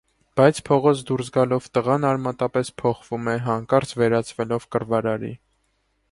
Բայց փողոց դուրս գալով՝ տղան արմատապես փոխվում է՝ հանկարծ վերածվելով կռվարարի։